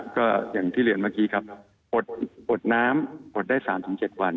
ก็อย่างที่เรียนเมื่อกี้ครับอดน้ำอดได้๓๗วัน